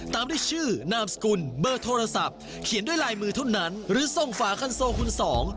ตามด้วยชื่อนามสกุลเบอร์โทรศัพท์เขียนด้วยลายมือเท่านั้นหรือส่งฝาคันโซคุณสอง